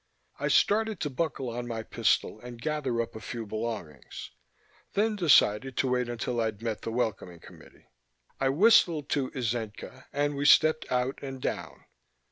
I started to buckle on my pistol and gather up a few belongings, then decided to wait until I'd met the welcoming committee. I whistled to Itzenca and we stepped out and down.